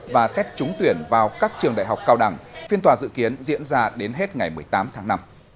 và xét trúng tuyển vào các trường đại học cao đẳng phiên tòa dự kiến diễn ra đến hết ngày một mươi tám tháng năm